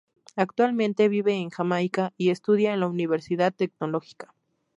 Actualmente vive en Jamaica y estudia en la Universidad Tecnológica.